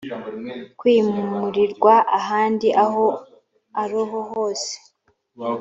kwimurirwa ahandi aho aroho hose